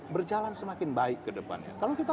berjalan semakin baik ke depannya kalau kita